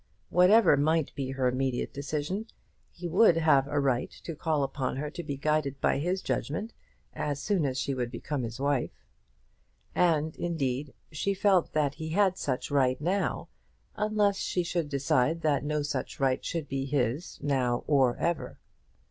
Whatever might be her immediate decision, he would have a right to call upon her to be guided by his judgment as soon as she would become his wife. And indeed, she felt that he had such right now, unless she should decide that no such right should be his, now or ever.